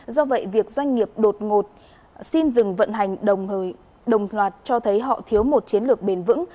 do vậy việc doanh nghiệp đột ngột xin dừng vận hành đồng loạt cho thấy họ thiếu một chiến lược bền vững